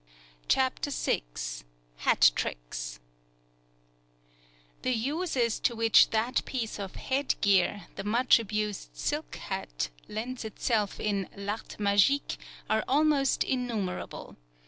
CHAPTER VI HAT TRICKS The uses to which that piece of headgear, the much abused silk hat, lends itself in "l'art magique" are almost innumerable.